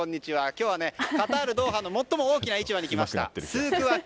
今日はカタール・ドーハの最も大きな市場に来ました。